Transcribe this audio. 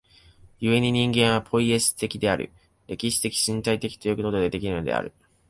故に人間はポイエシス的である、歴史的身体的ということができるのである。